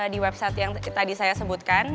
di website yang tadi saya sebutkan